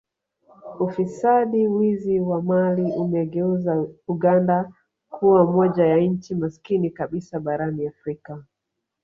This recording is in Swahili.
Ufisadi wizi wa mali umegeuza Uganda kuwa moja ya nchi masikini kabisa barani Afrika